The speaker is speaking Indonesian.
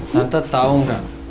tante tau gak